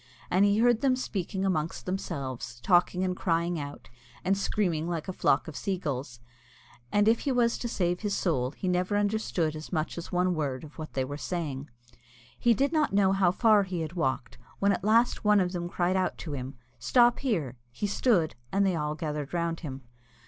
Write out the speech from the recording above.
And he heard them speaking amongst themselves, talking and crying out, and screaming like a flock of sea gulls; and if he was to save his soul he never understood as much as one word of what they were saying. He did not know how far he had walked, when at last one of them cried out to him, "Stop here!" He stood, and they all gathered round him.